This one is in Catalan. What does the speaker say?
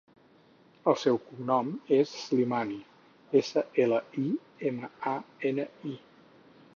El seu cognom és Slimani: essa, ela, i, ema, a, ena, i.